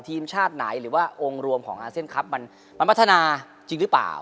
ทีมชาติไหนหรือว่าองค์รวมของอาเซียนครับมันพัฒนาจริงหรือเปล่า